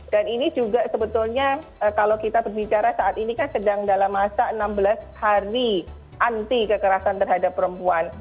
dan ini juga sebetulnya kalau kita berbicara saat ini kan sedang dalam masa enam belas hari anti kekerasan terhadap perempuan